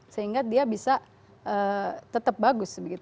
sehingga dia bisa tetap bagus